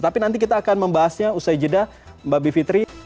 tapi nanti kita akan membahasnya usai jeda mbak bivitri